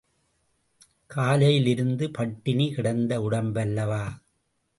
காலையிலிருந்து பட்டினி கிடந்த உடம்பல்லவா!